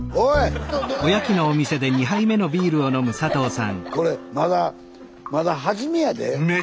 スタジオこれまだまだ初めやで。